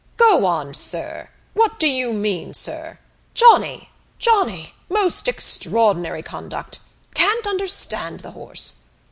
'Go on, sir! What do you mean, sir? Johnny! Johnny! Most extraordinary conduct! Can't understand the horse!